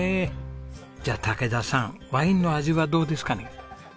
じゃあ武田さんワインの味はどうですかね？